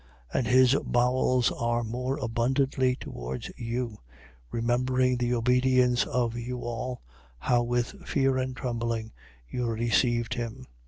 7:15. And his bowels are more abundantly towards you: remembering the obedience of you all, how with fear and trembling you received him.